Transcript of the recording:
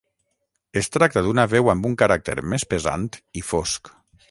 Es tracta d'una veu amb un caràcter més pesant i fosc.